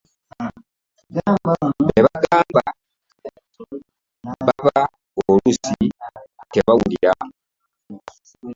Be bagamba baba oluusi tebawulira.